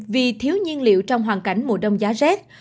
vì thiếu nhiên liệu trong hoàn cảnh mùa đông giá rét